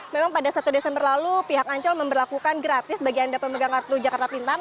memang pada satu desember lalu pihak ancol memperlakukan gratis bagi anda pemegang kartu jakarta pintar